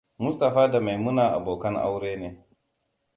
Mustapha da Maimuna abokan aure ne.